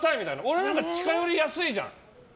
俺、近寄りやすいじゃん？